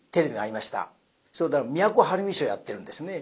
それで都はるみショーをやってるんですね。